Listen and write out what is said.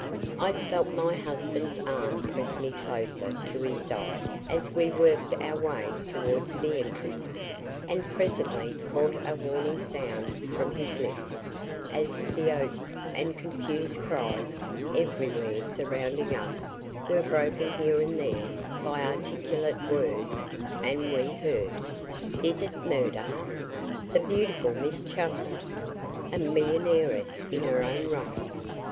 I felt my husband's arm press me closer to his side as we worked our way towards the entrance, and presently caught a warning sound from his lips as the oaths and confused cries everywhere surrounding us were broken here and there by articulate words and we heard: "Is it murder?" "The beautiful Miss Challoner!" "A millionairess in her own right!"